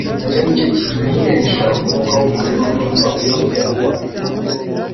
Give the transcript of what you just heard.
Icyo ni cyo kitumenyesha umwuka w’ukuri n’umwuka uyobya uwo ari wo.